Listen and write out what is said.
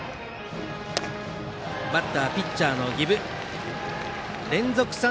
バッターはピッチャーの儀部。